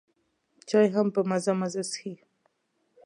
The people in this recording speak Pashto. چای هم په مزه مزه څښي.